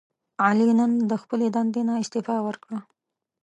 علي نن د خپلې دندې نه استعفا ورکړه.